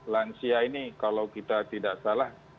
lansia ini kalau kita tidak salah